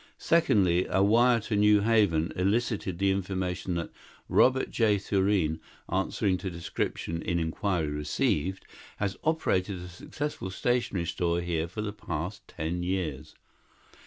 Secondly, a wire to New Haven elicited the information that "Robert J. Thurene, answering to description in inquiry received, has operated a successful stationery store here for the past ten years.